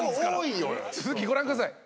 続きご覧ください。